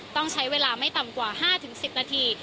ต้องใช้เวลาไม่ต่ำกว่า๕๑๐นาที